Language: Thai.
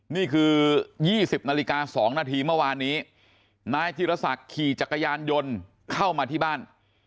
นี่คือ๒๐นาฬิกา๒นาทีเมื่อวานนี้นายธีรศักดิ์ขี่จักรยานยนต์เข้ามาที่บ้าน